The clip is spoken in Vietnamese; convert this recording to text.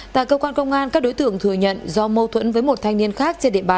tại cơ quan công an các đối tượng thừa nhận do mâu thuẫn với một thanh niên khác trên địa bàn